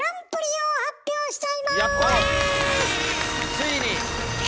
ついに！